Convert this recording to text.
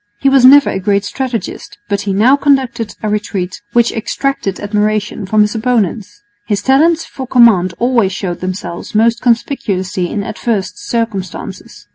He was never a great strategist, but he now conducted a retreat which extracted admiration from his opponents. His talents for command always showed themselves most conspicuously in adverse circumstances.